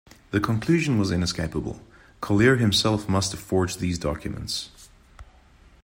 The conclusion was inescapable-Collier himself must have forged these documents.